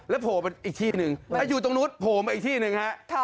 โผล่ไปอีกที่หนึ่งอยู่ตรงนู้นโผล่มาอีกที่หนึ่งฮะ